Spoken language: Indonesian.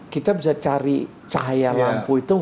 kita bisa cari cahaya lampu itu